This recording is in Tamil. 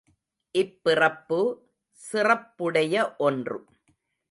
இப்பிறப்பு, சிறப்புடைய ஒன்று.